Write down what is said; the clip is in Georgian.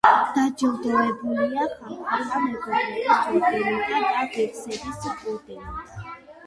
დაჯილდოებულია ხალხთა მეგობრობის ორდენითა და ღირსების ორდენით.